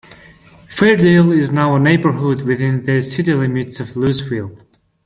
Fairdale is now a neighborhood within the city limits of Louisville.